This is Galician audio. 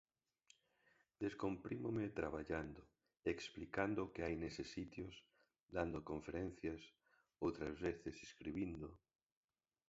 'Descomprímome' traballando, explicando o que hai neses sitios, dando conferencias, outras veces escribindo...